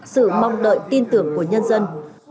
sự mong đợi tin tưởng của nhân dân